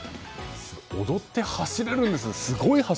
踊って走れるんですね。